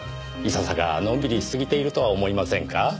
いささかのんびりしすぎているとは思いませんか？